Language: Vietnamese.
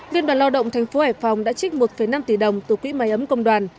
liên đoàn lao động tp hải phòng đã trích một năm tỷ đồng từ quỹ máy ấm công đoàn